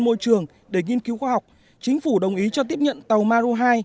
trong thời gian môi trường để nghiên cứu khoa học chính phủ đồng ý cho tiếp nhận tàu maru hai